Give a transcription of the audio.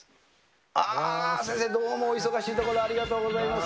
あー、先生、どうも、お忙しいところ、ありがとうございます。